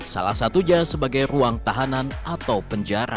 salah satunya sebagai ruang tahanan atau penjara